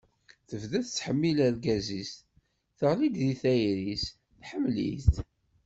Tebda tettḥemmil argaz-is, teɣli di tayri-s, tḥemmel-it.